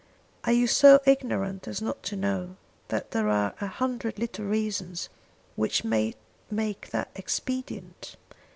Are you so ignorant as not to know that there are a hundred little reasons which may make that expedient?